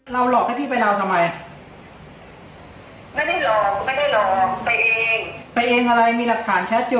หลอกให้พี่ไปลองทำไมไม่ได้หลอกไม่ได้ลองไปเองไปเองอะไรมีหลักฐานแชทอยู่